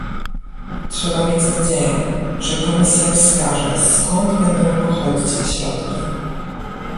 Trzeba mieć nadzieję, że Komisja wskaże, skąd będą pochodzić te środki